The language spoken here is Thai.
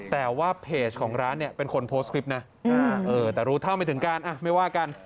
แต่ว่าเพจของร้านเนี่ยเป็นคนโพสต์คลิปนะแต่รู้เท่าไม่ถึงการไม่ว่ากัน